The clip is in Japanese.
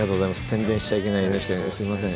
宣伝しちゃいけないＮＨＫですいません